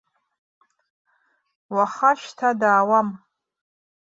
Уаха шьҭа даауам.